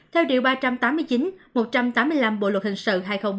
theo điều ba trăm tám mươi chín một trăm tám mươi năm bộ luật hình sự hai nghìn một mươi năm